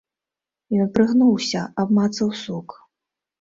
Ён прыгнуўся, абмацаў сук.